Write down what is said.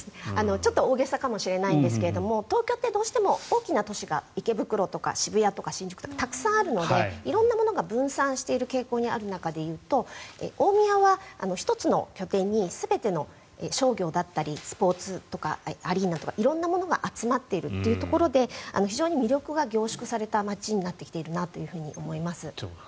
ちょっと大げさかもしれないんですが東京ってどうしても大きな都市が池袋とか渋谷とかたくさんあるので色んなものが分散している傾向にある中で言うと大宮は１つの拠点に全ての商業だったりスポーツとかアリーナとか色んなものが集まっているというところで非常に魅力が凝縮された街になってきているなと思います。